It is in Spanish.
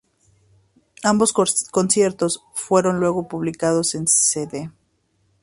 Ambos conciertos fueron luego publicados en cd.